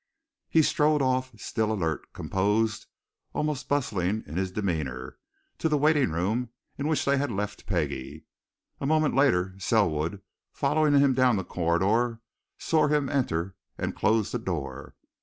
He strode off, still alert, composed, almost bustling in his demeanour, to the waiting room in which they had left Peggie a moment later, Selwood, following him down the corridor, saw him enter and close the door.